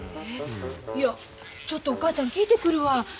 いやちょっとお母ちゃん聞いてくるわ。